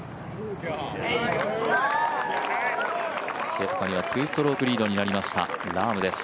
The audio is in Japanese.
ケプカには２ストロークリードになりました、ラームです。